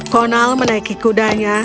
kau akan menanggungnya